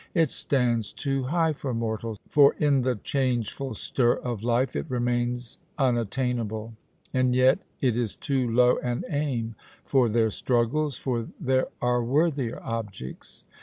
It stands too high for mortals, for in the changeful stir of life it remains unattainable, and yet it is too low an aim for their struggles, for there are worthier objects.